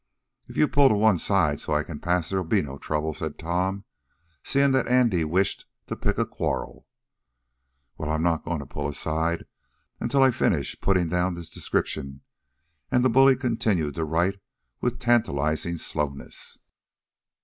"If you pull to one side, so I can pass, there'll be no trouble," said Tom, seeing that Andy wished to pick a quarrel. "Well, I'm not going to pull aside until I finish putting down this description," and the bully continued to write with tantalizing slowness.